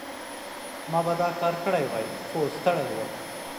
ما به دا کار کړی وای، خو ستړی وم.